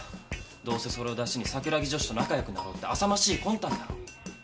どうせそれをダシに桜木女子と仲よくなろうってあさましい魂胆だろう。